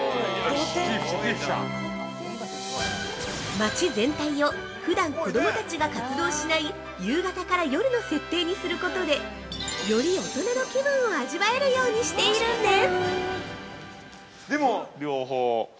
◆街全体を、普段子供たちが活動しない夕方から夜の設定にすることで、より大人の気分を味わえるようにしているんです！